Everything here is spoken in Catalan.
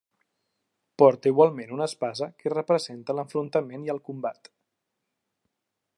Porta igualment una espasa que representa l'enfrontament i el combat.